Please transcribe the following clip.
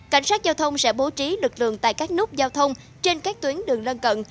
cảnh sát giao thông sẽ bố trí lực lượng tại các nút giao thông trên các tuyến đường lân cận